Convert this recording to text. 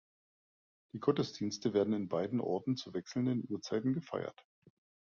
Die Gottesdienste werden in beiden Orten zu wechselnden Uhrzeiten gefeiert.